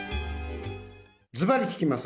ずばり聞きます。